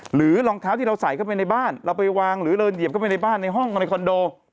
หรือรองเท้าที่เราใส่เข้าไปในบ้านเราไปวางหรือเดินเหยียบเข้าไปในบ้านในห้องในคอนโด